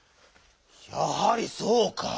やはりそうか！